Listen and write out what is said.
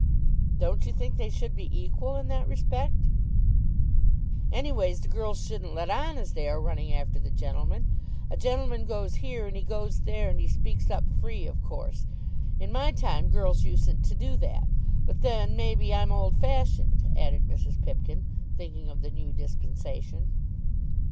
"Don't you think they should be equal in that respect?" "Anyways the girls shouldn't let on as they are running after the gentlemen. A gentleman goes here and he goes there, and he speaks up free, of course. In my time, girls usen't to do that. But then, maybe, I'm old fashioned," added Mrs. Pipkin, thinking of the new dispensation.